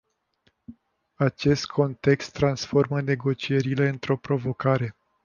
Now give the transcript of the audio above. Acest context transformă negocierile într-o provocare.